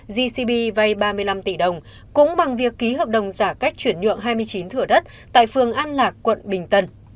gcb vay ba mươi năm tỷ đồng cũng bằng việc ký hợp đồng giả cách chuyển nhượng hai mươi chín thửa đất tại phường an lạc quận bình tân